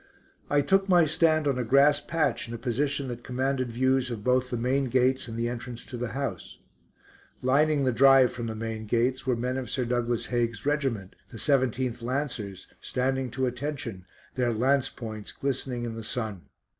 I took my stand on a grass patch in a position that commanded views of both the main gates and the entrance to the house. Lining the drive from the main gates were men of Sir Douglas Haig's regiment, the 17th Lancers, standing to attention, their lance points glistening in the sun.